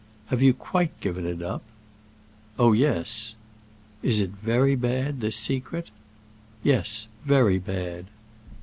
"Have you quite given it up?" "Oh yes." "Is it very bad, this secret?" "Yes, very bad."